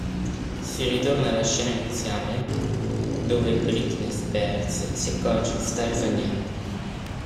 Si ritorna alla scena iniziale, dove Britney Spears si accorge di stare sognando.